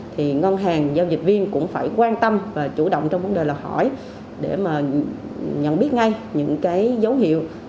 thì ngân hàng giao dịch viên cũng phải quan tâm và chủ động trong vấn đề là hỏi để mà nhận biết ngay những cái dấu hiệu